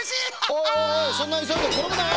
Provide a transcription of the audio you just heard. おいおいそんなにいそいでころぶなよ。